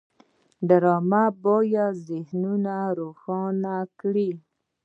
ډرامه باید ذهنونه روښانه کړي